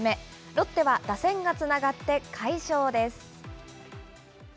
ロッテは打線がつながって快勝です。